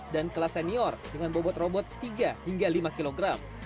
dan kelas senior dengan bobot robot tiga hingga lima kg